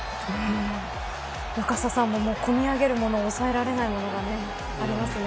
若狭さんもこみ上げるものを抑えられないものがありますよね。